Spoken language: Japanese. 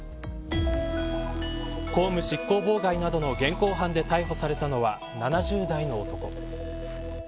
公務執行妨害などの現行犯で逮捕されたのは７０代の男。